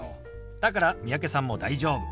だから三宅さんも大丈夫。